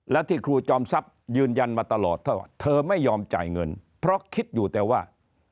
และที่ครูจอมทรัพย์ยืนยันมาตลอดถ้าว่าเธอไม่ยอมจ่ายเงินเพราะคิดอยู่แต่ว่า